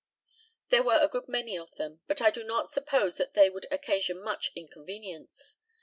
There were a good many of them, but I do not suppose that they would occasion much inconvenience.